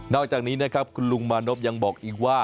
อกจากนี้นะครับคุณลุงมานพยังบอกอีกว่า